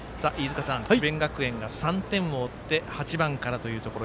智弁学園が３点を追って８番からというところ。